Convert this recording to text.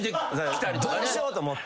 どうしよう？と思って。